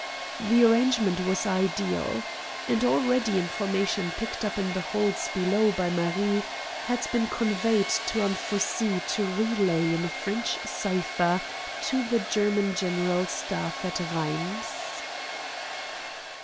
The arrangement was ideal. And already information picked up in the halls below by Marie had been conveyed to Anfossi to relay in a French cipher to the German General Staff at Rheims.